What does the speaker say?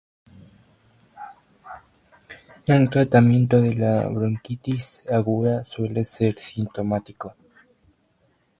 El tratamiento de la bronquitis aguda suele ser sintomático.